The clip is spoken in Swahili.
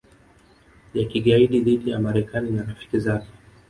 ya kigaidi dhidi ya Marekani na rafiki zake